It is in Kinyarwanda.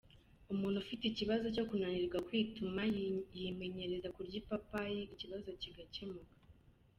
Umuntu ufite ikibazo cyo kunanirwa kwituma, yimenyereza kurya ipapayi ikibazo kigakemuka.